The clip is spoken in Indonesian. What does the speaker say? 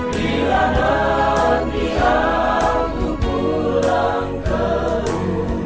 bila nanti aku pulang ke rumah